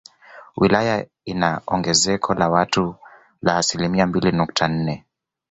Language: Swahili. Wilaya ina ongezeko la watu la asilimia mbili nukta nne